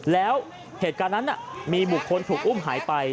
แล้วเหตุการณ์นั้นมีบุคคลถูกอุ้มหายไป